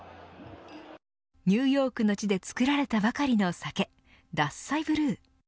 ニューヨークの地で造られたばかりの酒獺祭ブルー。